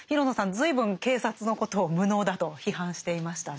随分警察のことを無能だと批判していましたね。